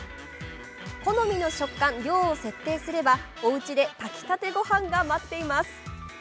好みの食感、量を設定すればおうちで炊きたてご飯が待っています。